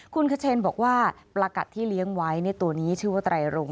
คุณคเชนบอกว่าประกัดที่เลี้ยงไว้ในตัวนี้ชื่อว่าไตรรง